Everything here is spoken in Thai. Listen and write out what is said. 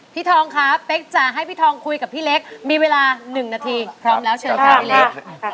ทองครับเป๊กจะให้พี่ทองคุยกับพี่เล็กมีเวลา๑นาทีพร้อมแล้วเชิญค่ะพี่เล็ก